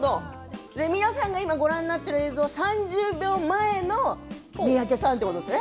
皆さんが今、ご覧になっている映像、３０秒前の三宅さんということですね。